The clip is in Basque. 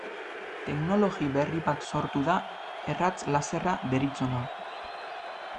Teknologi berri bat sortu da erratz-laserra deritzona.